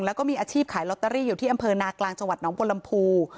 แล้วก็มีอาชีพขายลอตเตอรี่อยู่ที่อำเภอนากลางจังหวัดน้องบนลำพู